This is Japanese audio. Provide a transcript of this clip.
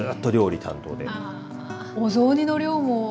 お雑煮の量もねえ。